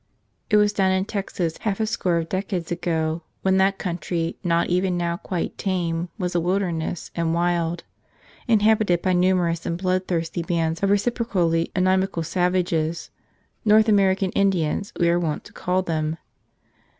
It was down in Texas half a score of decades ago, when that country, not even now quite "tame," was a wilderness and wild, in¬ habited by numerous and bloodthirsty bands of reciprocally inimical savages — North Amer¬ ican Indians, we are wont to call them.